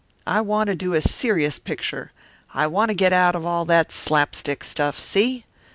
I want to do a serious picture, I want to get out of all that slap stick stuff, see?